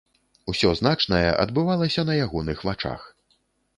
Усё значнае адбывалася на ягоных вачах.